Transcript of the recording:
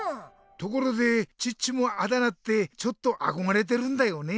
ところでチッチもあだ名ってちょっとあこがれてるんだよね。